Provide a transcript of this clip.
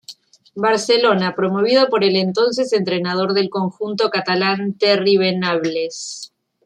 Barcelona, promovido por el entonces entrenador del conjunto catalán Terry Venables.